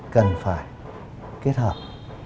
cần phải kết hợp